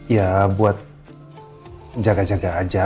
ya buat jaga jaga aja